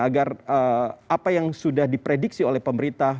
agar apa yang sudah diprediksi oleh pemerintah